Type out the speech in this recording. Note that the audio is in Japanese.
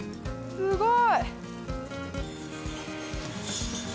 すごい！